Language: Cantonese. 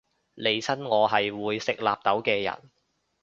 利申我係會食納豆嘅人